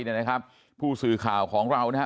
เนี่ยนะครับผู้สื่อข่าวของเรานะฮะ